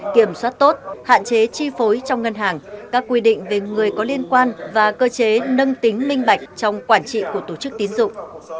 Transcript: kiểm soát tốt hạn chế chi phối trong ngân hàng các quy định về người có liên quan và cơ chế nâng tính minh bạch trong quản trị của tổ chức tín dụng